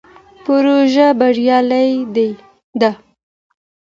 پروژه بریالۍ ده.